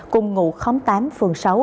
cùng ngụ tám phường sáu